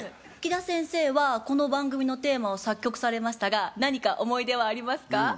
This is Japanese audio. キダ先生はこの番組のテーマを作曲されましたが何か思い出はありますか？